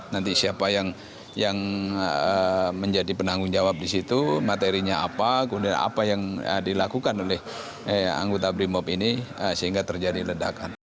nanti siapa yang menjadi penanggung jawab di situ materinya apa kemudian apa yang dilakukan oleh anggota brimop ini sehingga terjadi ledakan